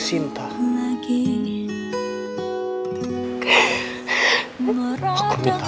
sebentar lagi kita akan menikah